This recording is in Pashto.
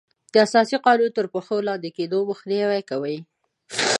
د اساسي حقوقو تر پښو لاندې کیدو مخنیوی کوي.